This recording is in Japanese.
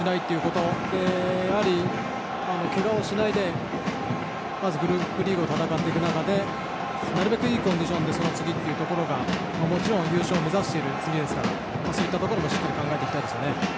そして、けがをしないでまずグループリーグを戦っていく中でなるべくいいコンディションでというところがもちろん優勝を目指すチームなのでそこもしっかりと考えていきたいですよね。